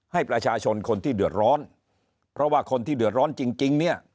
ให้ประชาชนคนที่เดือดร้อนเพราะว่าคนที่เดือดร้อนจริงเนี่ย